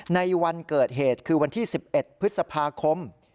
ในวันเกิดเหตุคือวันที่๑๑พฤษภาคม